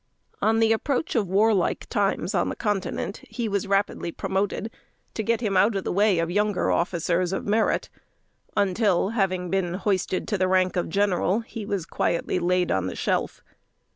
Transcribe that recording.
On the approach of warlike times on the Continent, he was rapidly promoted to get him out of the way of younger officers of merit; until, having been hoisted to the rank of general, he was quietly laid on the shelf.